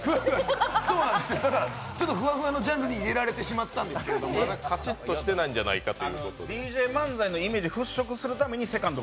だから、ちょっとフワフワのジャンルに入れられてしまったんですがかちっとしてないんじゃないかと。